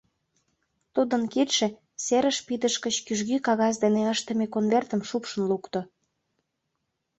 Тудын кидше серыш пидыш гыч кӱжгӱ кагаз дене ыштыме конвертым шупшын лукто.